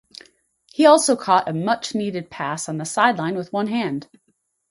He also caught a much-needed pass on the sideline with one hand.